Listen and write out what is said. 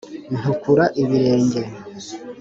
Ntukura ibirenge,